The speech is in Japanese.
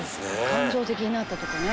「感情的になったとこね」